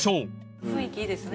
雰囲気いいですね